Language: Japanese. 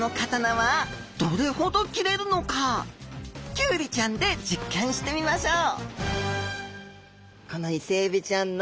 キュウリちゃんで実験してみましょう！